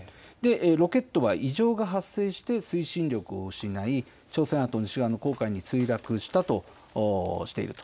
ロケットは異常が発生して、推進力を失い、朝鮮半島西側の黄海に墜落したとしていると。